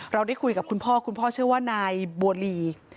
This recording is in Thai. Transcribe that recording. ได้คุยกับคุณพ่อคุณพ่อชื่อว่านายบัวลี